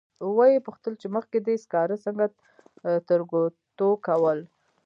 و یې پوښتل چې مخکې دې سکاره څنګه ترګوتو کول.